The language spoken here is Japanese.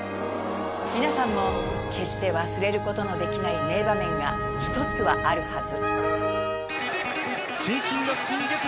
皆さんも決して忘れる事のできない名場面が一つはあるはず。